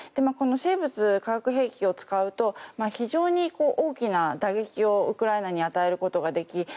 この生物・化学兵器を使うと非常に大きな打撃をウクライナに与えることができ